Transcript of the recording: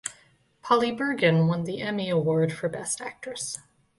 Polly Bergen won the Emmy Award for best actress.